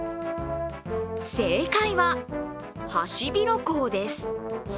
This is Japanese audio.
正解は、ハシビロコウです。